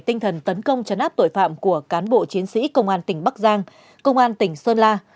tinh thần tấn công chấn áp tội phạm của cán bộ chiến sĩ công an tỉnh bắc giang công an tỉnh sơn la